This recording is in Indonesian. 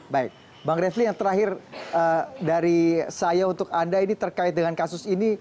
baik bang refli yang terakhir dari saya untuk anda ini terkait dengan kasus ini